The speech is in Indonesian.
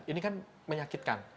ini kan menyakitkan